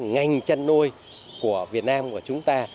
ngành chăn nuôi của việt nam của chúng ta